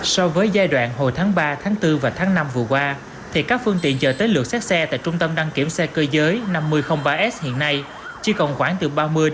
so với giai đoạn hồi tháng ba tháng bốn và tháng năm vừa qua thì các phương tiện chờ tới lượt xác xe tại trung tâm đăng kiểm xe cơ giới năm nghìn ba s hiện nay chỉ còn khoảng từ ba mươi ba mươi